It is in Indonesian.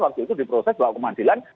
waktu itu diproses bawa ke mandilan